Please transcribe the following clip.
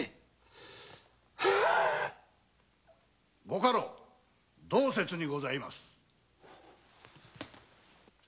・ご家老道雪にございます。